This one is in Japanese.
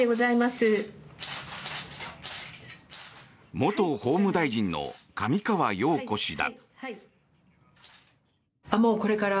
元法務大臣の上川陽子氏だ。